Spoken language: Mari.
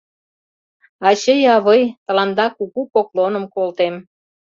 «Ачый, авый, тыланда кугу поклоным колтем.